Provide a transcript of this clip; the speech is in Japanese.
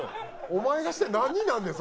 お前がしてなんになんねん？